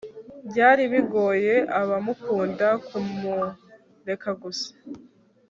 byari bigoye abamukunda kumureka gusa